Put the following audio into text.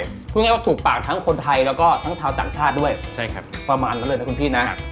พูดง่ายว่าถูกปากทั้งคนไทยแล้วก็ทั้งชาวต่างชาติด้วยใช่ครับประมาณนั้นเลยนะคุณพี่นะ